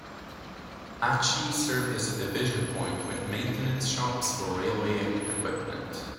Atchee served as a division point with maintenance shops for railway equipment.